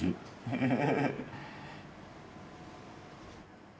フフフフ。